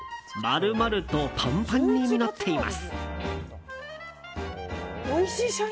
丸々とパンパンに実っています。